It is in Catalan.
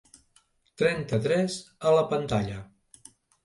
Trenta-tres a la pantalla.